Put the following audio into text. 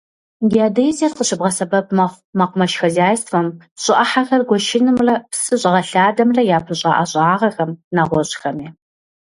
Геодезиер къыщыбгъэсэбэп мэхъу мэкъумэш хозяйствэм, щӀы Ӏыхьэхэр гуэшынымрэ псы щӀэгъэлъадэмрэ япыщӀа ӀэщӀагъэхэм, нэгъуэщӀхэми.